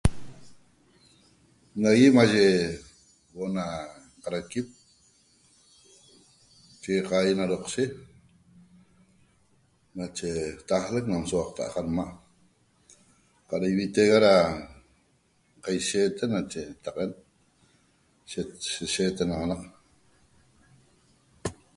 Nagui mashe huo'o na qaraquip chegaqaigui na roqshe nache taalec na souaqta'a qarma' qaq ra ivitega da qaisheten nache taqaen sishetenaxanaq